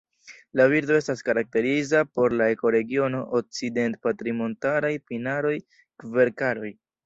La birdo estas karakteriza por la ekoregiono okcident-patrinmontaraj pinaroj-kverkaroj.